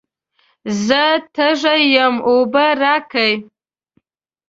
زه تږی یم، اوبه راکئ.